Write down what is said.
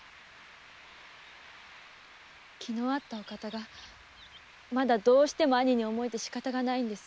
昨日会ったお方がどうしても兄に思えてしかたがないんです。